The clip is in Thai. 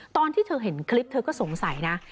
ตอนที่เธอเห็นคลิปเธอก็สงสัยนะ